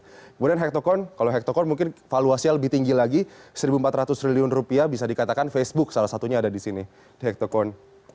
kemudian hektocorn kalau hektocorn mungkin valuasinya lebih tinggi lagi rp satu empat ratus triliun rupiah bisa dikatakan facebook salah satunya ada di sini di hektocorn